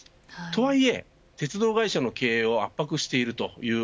とはいえ、鉄道会社の経営を圧迫しているという。